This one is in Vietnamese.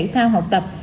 thao học tập